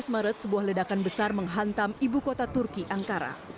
dua belas maret sebuah ledakan besar menghantam ibu kota turki angkara